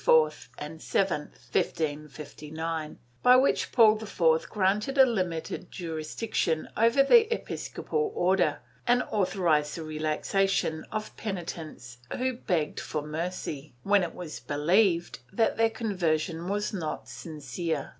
201) to the briefs of January 4 and 7, 1559 by which Paul IV granted a limited jurisdiction over the episcopal order and authorized the relaxation of penitents who begged for mercy, when it was believed that their conversion was not sincere.